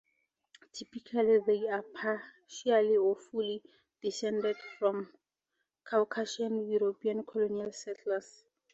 Typically they are partially or fully descended from Caucasian European colonial settlers.